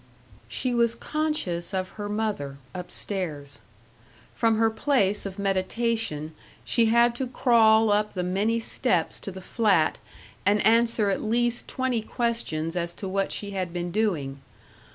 She was conscious of her mother, up stairs. From her place of meditation she had to crawl up the many steps to the flat and answer at least twenty questions as to what she had been doing.